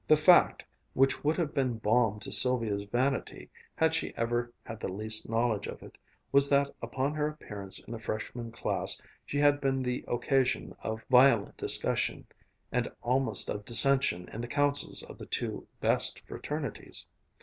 The fact, which would have been balm to Sylvia's vanity, had she ever had the least knowledge of it, was that upon her appearance in the Freshman class she had been the occasion of violent discussion and almost of dissension in the councils of the two "best" fraternities.